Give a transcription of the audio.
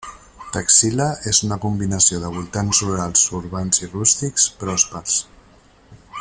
Taxila és una combinació de voltants rurals urbans i rústics pròspers.